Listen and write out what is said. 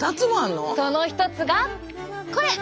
その一つがこれ。